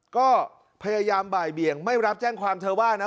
ก็พยายามบ่ายเบี่ยงไม่รับแจ้งความเธอว่านะ